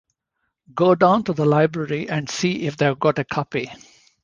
Go down to the library and see if they've got a copy.